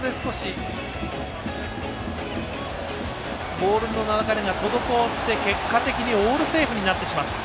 ボールの流れが滞って、結果的にオールセーフになってしまった。